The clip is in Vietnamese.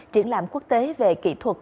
triển lãm quốc tế về kỹ thuật